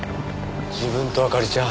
自分と明里ちゃん